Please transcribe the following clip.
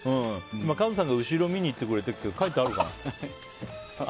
カズさんが後ろを見に行ってくれてるけど書いてあるのかな。